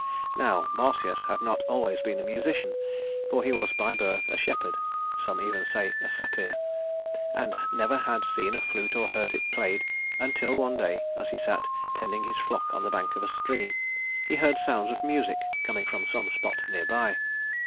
Now Marsyas had not always been a musician, for he was by birth a shepherd some even say a satyr and had never seen a flute or heard it played until one day, as he sat tending his flock on the bank of a stream, he heard sounds of music coming from some spot near by.